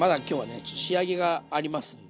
ちょっと仕上げがありますんで。